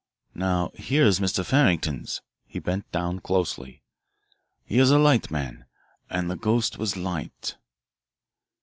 "Now here is Mr. Farrington's" he bent down closely, "he is a light man, and the ghost was light."